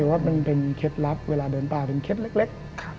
ว่ามันเป็นเคล็ดลับเวลาเดินป่าเป็นเคล็ดเล็ก